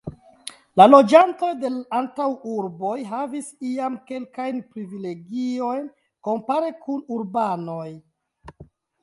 La loĝantoj de l' antaŭurboj havis iam kelkajn privilegiojn kompare kun urbanoj.